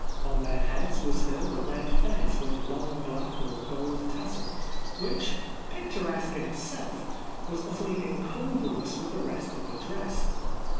On their heads was still the red fez with long black or gold tassel, which, picturesque in itself, was utterly incongruous with the rest of the dress.